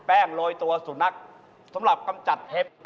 อ้าวแล้ว๓อย่างนี้แบบไหนราคาถูกที่สุด